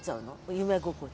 「夢心地」。